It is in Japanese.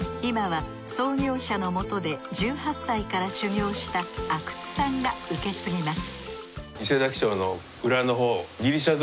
今は創業者のもとで１８歳から修業した阿久津さんが受け継ぎます